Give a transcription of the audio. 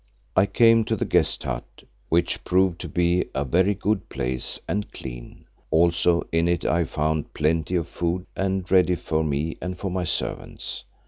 I came to the guest hut, which proved to be a very good place and clean; also in it I found plenty of food made ready for me and for my servants.